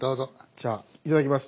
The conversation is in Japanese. じゃあいただきます。